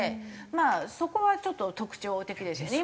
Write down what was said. まあそこはちょっと特徴的ですよね。